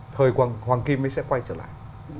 thời hoàng kim mới sẽ quay trở lại